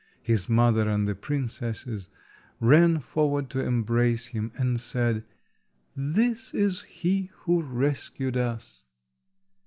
His mother and the princesses ran forward to embrace him, and said— "This is he who rescued us."